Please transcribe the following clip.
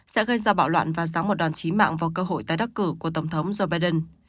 sẽ gây ra bạo loạn và ráng một đòn trí mạng vào cơ hội tái đắc cử của tổng thống joe biden